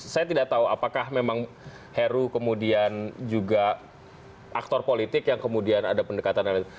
saya tidak tahu apakah memang heru kemudian juga aktor politik yang kemudian ada pendekatan yang lain